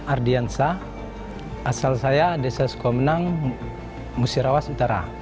ardiansah asal saya desa sukomenang musirawas utara